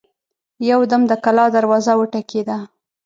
يودم د کلا دروازه وټکېده.